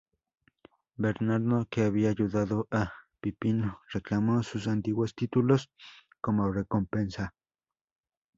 Bernardo, que había ayudado a Pipino, reclamó sus antiguos títulos como recompensa.